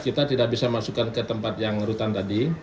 kita tidak bisa masukkan ke tempat yang rutan tadi